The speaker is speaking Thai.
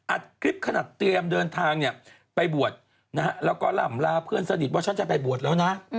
อัดคลิปขนาดเตรียมเดินทางเนี่ยไปบวชนะฮะแล้วก็หล่ำลาเพื่อนสนิทว่าฉันจะไปบวชแล้วนะ